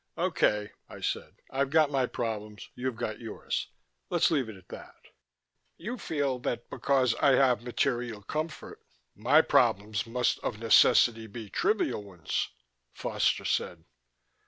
"Okay," I said. "I've got my problems, you've got yours. Let's leave it at that." "You feel that because I have material comfort, my problems must of necessity be trivial ones," Foster said.